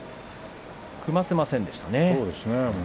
組ませませんでしたね。